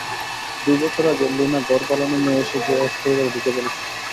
দুই বছর আগে, লীনা ঘর পালানো মেয়ে সেজে এক পরিবারে ঢুকে পড়েছিল।